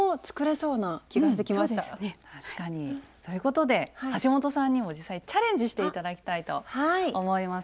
そうですね。ということで橋本さんにも実際チャレンジして頂きたいと思います。